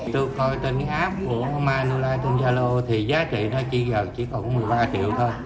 tôi coi tên cái app của menolite tên zalo thì giá trị nó chỉ còn một mươi ba triệu thôi